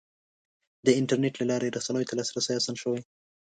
د انټرنیټ له لارې رسنیو ته لاسرسی اسان شوی.